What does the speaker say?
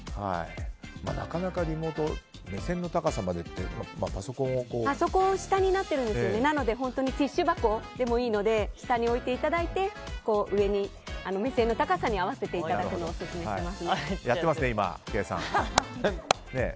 なかなかリモートで目線の高さまでパソコンは下になってるのでティッシュ箱でもいいので下に置いていただいて目線の高さに合わせていただくのをオススメしています。